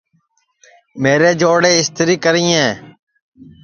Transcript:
میرے چوڑے اِستری کریں